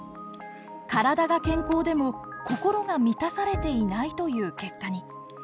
体が健康でも心が満たされていないという結果に。